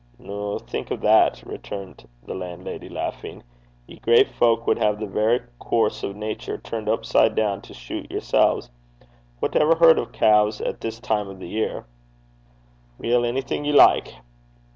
'Noo, think o' that!' returned the landlady, laughing. 'You great fowk wad hae the verra coorse o' natur' turned upside doon to shuit yersels. Wha ever heard o' caure (calves) at this time o' the year?' 'Well, anything you like.